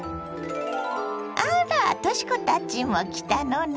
あらとし子たちも来たのね。